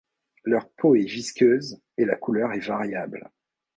Leur peau est visqueuse et la couleur est variable.